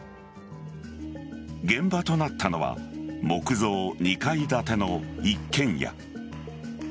現場となったのは木造２階建ての一軒家。